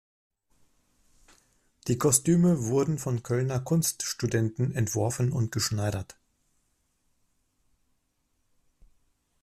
Die Kostüme wurden von Kölner Kunststudenten entworfen und geschneidert.